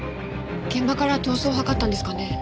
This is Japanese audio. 現場から逃走を図ったんですかね？